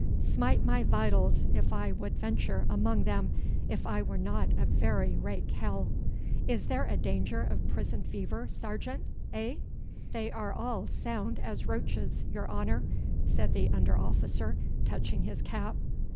Smite my vitals if I would venture among them if I were not a very rake hell. Is there a danger of prison fever, sergeant? Heh?' 'They are all sound as roaches, your honour,' said the under officer, touching his cap.